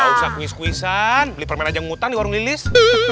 gak usah kuis kuisan beli permen ajang mutan di warung lilis